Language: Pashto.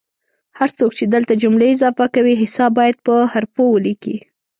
هر څوک چې دلته جملې اضافه کوي حساب باید په حوفو ولیکي